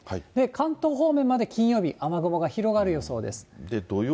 関東方面まで、金曜日、雨雲が広がる予想です。